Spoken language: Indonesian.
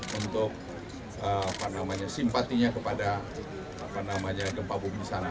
yang memiliki simpatinya kepada gempa bumi sana